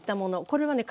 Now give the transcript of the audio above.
これはね